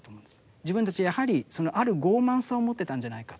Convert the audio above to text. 自分たちやはりそのある傲慢さを持ってたんじゃないか。